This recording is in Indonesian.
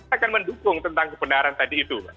akan mendukung tentang kebenaran tadi itu